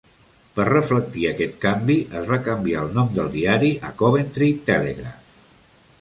Per reflectir aquest canvi, es va canviar el nom del diari a "Coventry Telegraph".